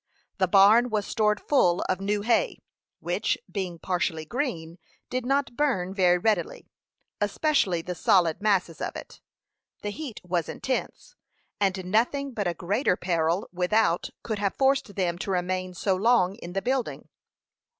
The barn was stored full of new hay, which, being partially green, did not burn very readily, especially the solid masses of it. The heat was intense, and nothing but a greater peril without could have forced them to remain so long in the building.